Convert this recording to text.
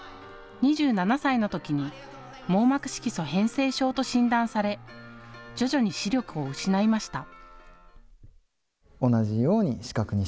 ２７歳のときに網膜色素変性症と診断され徐々に視力を失いました。